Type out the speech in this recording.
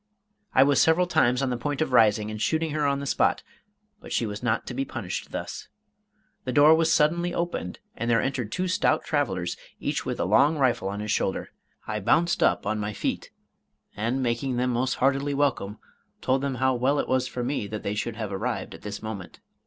I was several times on the point of rising and shooting her on the spot; but she was not to be punished thus. The door was suddenly opened, and there entered two stout travelers, each with a long rifle on his shoulder. I bounced up on my feet, and making them most heartily welcome, told them how well it was for me that they should have arrived at that moment.